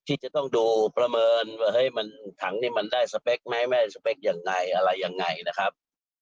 ที่จะต้องดูประเมินว่าเฮ้ยมันถังนี้มันได้สเปคไหมไม่ได้สเปคยังไงอะไรยังไงนะครับ